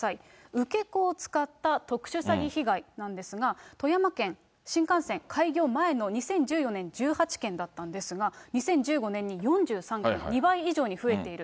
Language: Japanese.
受け子を使った特殊詐欺被害なんですが、富山県、新幹線開業前の２０１４年１８件だったんですが、２０１５年に４３件、２倍以上に増えている。